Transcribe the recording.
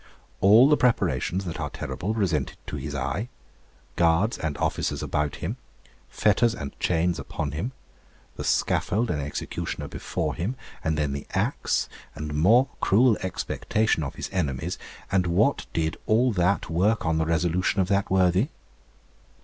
All the preparations that are terrible presented to his eye, guards and officers about him, fetters and chains upon him, the scaffold and executioner before him, and then the axe, and more cruel expectation of his enemies, and what did all that work on the resolution of that worthy?